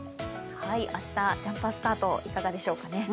明日、ジャンパースカート、いかがでしょうかね。